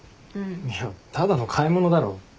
いやただの買い物だろ。